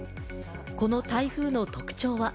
この台風の特徴は？